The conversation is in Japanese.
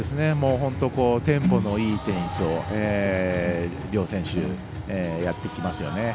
テンポのいいテニスを両選手、やってきますよね。